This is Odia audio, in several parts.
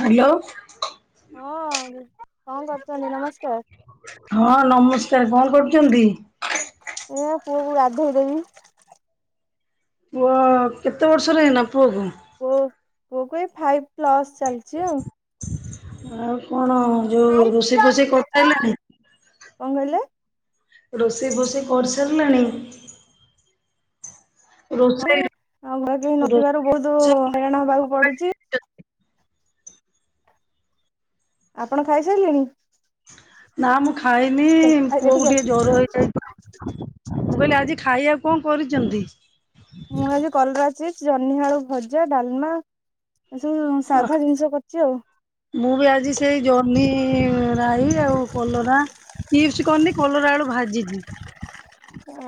ହ୍ୟାଲୋ। ହଁ କଣ କରୁଚନ୍ତି? ନମସ୍କାର। ହଁ ନମସ୍କାର। କଣ କରୁଚନ୍ତି? ଏ ପୁଅ କୁ ଗାଧୋଇ ଦେମି। ପୁଅ କେତେ ବର୍ଷର ହେଲା ପୁଅକୁ? ପୁଅକୁ ଏ ଫାଇଭ ପ୍ଲସ୍ ଚାଲିଚି ଆଉ। ଆଉ କଣ କଣ ଯୋଉ ରୋଷେଇ ଫୋଷେଇ କରିସାରିଲଣି? କହିଲେ ରୋଷେଇ ଫୋଷେଇ କରିସାରିଲାଣି? ହ ରୋଷେଇ ଆଗୁଆ କେହି ନଥିବାରୁ ବହୁତ ରୋଷେଇ ହଇରାଣ ହବାକୁ ପଡୁଚି। ଆପଣ ଖାଇସାରିଲେଣି? ନା ମୁଁ ଖାଇନି ପୁଅ କୁ ଏଠିକି ଆସ ଟିକେ ଜର ହେଇଯାଇଚି ମୁଁ କହିଲି ଆଜି ଖାଇବାକୁ କଣ କରିୁଚନ୍ତି? ମୁଁ ଆଜି କଲରା ଚିପ୍ ଜହ୍ନି ଆଳୁ ଭଜା ଡାଲମା ଏ ସବୁ ସାଧା ଜିନିଷ କରିଚି ଆଉ। ମୁଁ ବି ଆଜି ସେଇ ଜହ୍ନି ରାଇ ଆଉ କଲରା ଚିପ୍ସ୍ କରିନି କଲରା ଆଳୁ ଭାଜିଚି।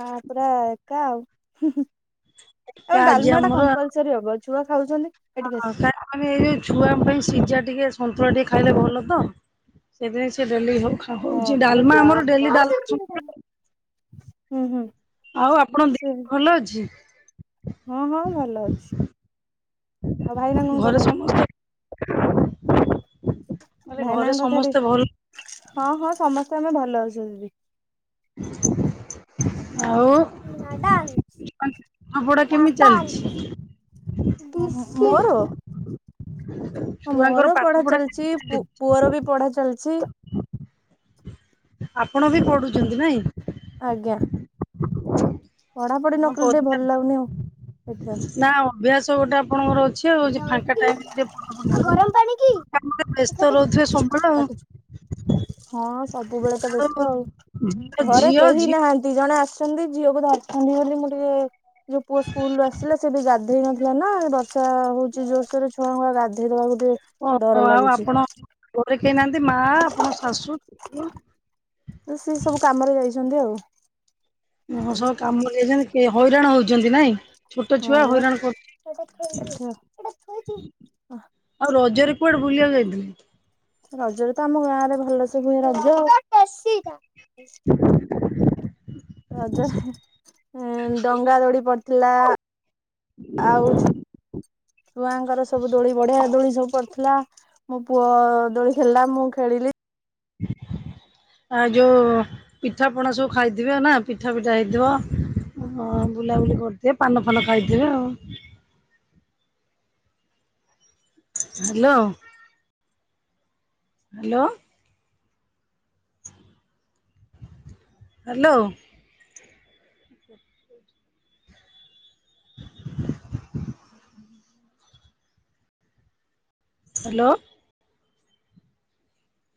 ଆ ପୁରା ଏକା ଆଉ ହୁଁ ହୁଁ ଆଉ ଆଜି ଡାଲମା ଟା ଆମର କମ୍ପଲ ସରି ହବ ଛୁଆ ଖାଉଚନ୍ତି। ଆଉ କାଇଁ [unintelligible] ଯୋଉ ଛୁଆଙ୍କ ପାଇଁ ସିଝା ଟିକେ ସନ୍ତୁଳା ଟିକେ ଖାଇଲେ ଭଲ ତ। ସେଇଥିପାଇଁ ସେ ଡେଲି ହଉ ହଁ ହଉଛି ଡାଲମା ଆମର ଡେଲି ଡାଲମା ହୁଁ ହୁଁ। ଆଉ ଆପଣଙ୍କ ସେ ଦେହ ଭଲ ଅଛି? ହଁ ହଁ ଭଲ ଅଛି ଆଉ ଭାଇନା କଣ ଘରେ କରନ୍ତି? ସମସ୍ତେ ମାନେ ଘରେ ଭାଇନାଙ୍କ କଥାଟି ସମସ୍ତେ ଭଲ ହଁ ହଁ ସମସ୍ତେ ଆମେ ଭଲ ଅଛୁ ଦିଦି। ଆଉ ପାଠ ପଢା କେମିତି ଚାଲିଛି [unintelligible] ମୋ ମୋର? ଛୁଆଙ୍କର ମୋର ପାଠ ପଢା ଚାଲିଛି ପୁ ପୁଅର ବି ପଢା ଚାଲିଛି। [unintelligible] ଆପଣ ବି ପଢୁଛନ୍ତି ନାଇଁ? ଆଜ୍ଞା। ପଢାପଢି ନ ହଁ କଲେ ଟିକେ ଭଲ ଲାଗୁନି ଆଉ ଏଠି [unintelligible] ନା ଅଭ୍ୟାସ ଗୋଟେ ଆପଣଙ୍କର ଅଛି ଆଉ ଯେ ଫାଙ୍କା ଟାଇମ୍ ରେ ପଢା ପଢି [unintelligible] ବ୍ୟସ୍ତ ରହୁଥିବେ ସବୁବେଳେ ଆଉ? ପାଟି ହଁ ସବୁବେଳେ ତ ବ୍ୟସ୍ତ ଆଉ ଆଉ ଝିଅ ଘରେ ଝିଅ କେହି ଝିଅ ନାହାନ୍ତି ଜଣେ ଆସ୍ ଆସନ୍ତି ଝିଅକୁ ଧରିଥାନ୍ତି ବୋଲି ମୁଁ ଟିକେ ଯୋଉ ପୁଅ ସ୍କୁଲରୁୁ ଆସିଲା ସେ ବି ଗାଧେଇ ନଥିଲା ନା ଦସ ସା ହଉଛି ଜୋରସୋରେ ଛୁଆଙ୍କୁ ଆଉ ଗାଧେଇ ଦେବାକୁ ଟିକେ ଡର କଣ ଆଉ ଲାଗୁଛି ଆପଣ ଘରେ କେହି ନାହାନ୍ତି ମା ଆପଣ ଶାଶୁ? ଶ୍ୱଶୁର ଅଉ ସିଏ ସବୁ କାମରେ ଯାଇଛନ୍ତି ଆଉ। ଓ ହଁ ସବୁ କାମରେ ଯାଇଛନ୍ତି କି ହଇରାଣ ହଉଛନ୍ତି ନାଇଁ? ଛୋଟ ହଁ ଛୁଆ ବା ହଇରାଣ କର ଏଠି ଆଉ ରଜରେ କୁଆଡେ ବୁଲିବାକୁ ଯାଇଥିଲେ? ରଜରେ ତ ଆମ ଗାଁ ରେ ଭଲ ସେ ହୁଏ ରଜ। ରଜରେ ହେ ଡଙ୍ଗା ଦୋଳି ପଡିଥିଲା। ଆଉ ଛୁଆଙ୍କର ସବୁ ଦୋଳି ବଢିଆ ଦୋଳି ସବୁ ପଡିଥିଲା। ମୋ ପୁଅ ଦୋଳି ଖେଳିଲା ମୁଁ ଖେଳିଲି। ଆଉ ଯୋଉ ପିଠାପଣା ସବୁ ଖାଇଥିବେ ନା ପିଠା ପିଠା ହେଇଥିବ। ହଁ ବୁଲାବୁଲି କରିଥିବେ ପାନ ଫାନ ଖାଇଥିବେ ଆଉ। ହେଲୋ। ହେଲୋ। ହେଲୋ। ହେଲୋ।